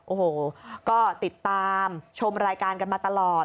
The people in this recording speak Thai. โอ้โหก็ติดตามชมรายการกันมาตลอด